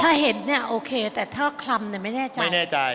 ถ้าเห็นเนี่ยโอเคแต่ถ้าคลำเนี่ยไม่แน่ใจไม่แน่ใจ